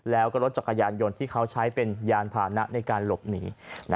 แล้วก็รถจักรยานยนต์ที่เขาใช้เป็นยานพานะในการหลบหนี